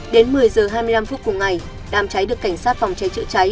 đến một mươi h hai mươi năm phút cùng ngày đám cháy được cảnh sát phòng cháy chữa cháy